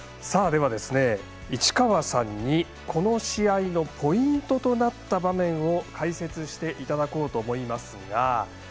市川さんにこの試合のポイントになった場面を解説していただこうと思いますが。